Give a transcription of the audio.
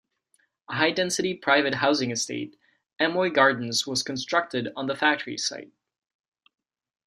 A high-density private housing estate, Amoy Gardens was constructed on the factory site.